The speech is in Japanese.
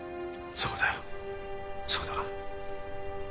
そうだ。